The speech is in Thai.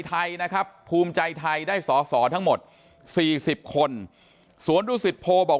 ไทยนะครับภูมิใจไทยได้สอสอทั้งหมด๔๐คนสวนดุสิตโพบอก